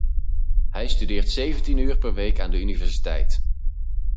Hij studeert zeventien uur per week aan de universiteit.